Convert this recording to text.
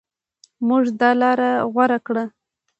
موږ دا لاره غوره کړه.